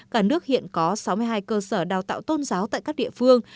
cả nước hiện có sáu mươi hai cơ sở đào tạo tôn giáo tại các địa phương